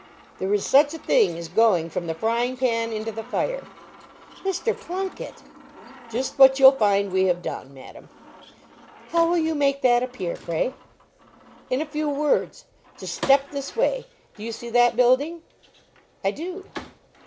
"There is such a thing as going from the frying pan into the fire." "Mr. Plunket!" "Just what you'll find we have done, madam." "How will you make that appear, pray?" "In a few words. Just step this way. Do you see that building?" "I do."